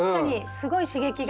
すごい刺激が。